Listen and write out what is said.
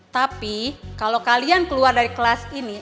tapi kalau kalian keluar dari kelas ini